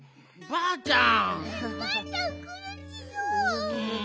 ばあちゃん